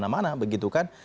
mana begitu kan